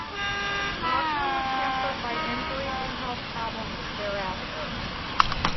Wagner was hampered by injuries and health problems thereafter.